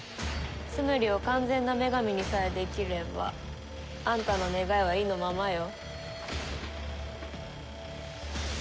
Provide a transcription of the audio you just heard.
ツムリを完全な女神にさえできればあんたの願いは意のままよ。